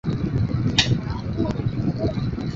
现在的马德堡车站建在马德堡要塞的旧址上。